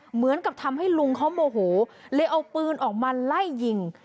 เหมือนกับทำให้ลุงเขาโมโหเลยเอาปืนออกมาไล่ยิง